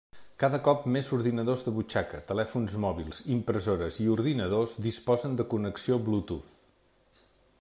Cada cop més ordinadors de butxaca, telèfons mòbils, impressores i ordinadors disposen de connexió Bluetooth.